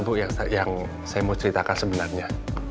bu yang saya mau ceritakan sebenarnya